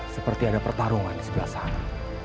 seperti ada pertarungan di sebelah sana